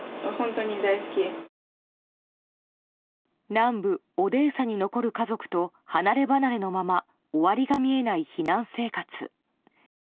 南部オデーサに残る家族と離ればなれのまま終わりが見えない避難生活。